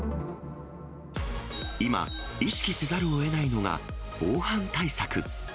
今、意識せざるをえないのが、防犯対策。